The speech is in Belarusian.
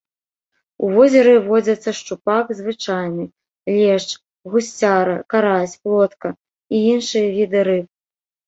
У возеры водзяцца шчупак звычайны, лешч, гусцяра, карась, плотка і іншыя віды рыб.